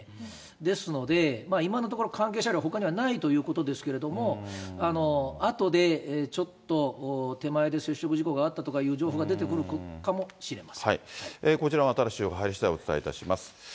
ですので、今のところ、関係車両、ほかにはないということですけれども、あとでちょっと手前で接触事故が起きたとかいう情報が出てくるかこちらも新しい情報が入りしだい、お伝えいたします。